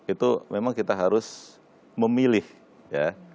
itu memang kita harus memilih ya